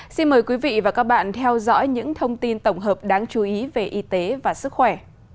xin mời quý vị và các bạn theo dõi những thông tin tổng hợp đáng chú ý về y tế và sức khỏe